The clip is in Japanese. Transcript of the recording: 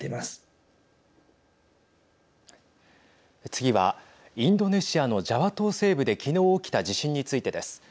次はインドネシアのジャワ島西部で昨日起きた地震についてです。